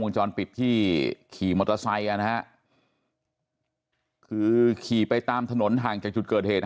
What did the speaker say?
จรปิดที่ขี่มอเตอร์ไซค์คือขี่ไปตามถนนห่างจากจุดเกิดเหตุ